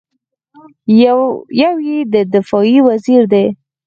یو یې د دفاع وزیر دی.